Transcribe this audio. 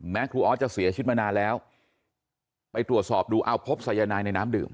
ครูออสจะเสียชีวิตมานานแล้วไปตรวจสอบดูเอาพบสายนายในน้ำดื่ม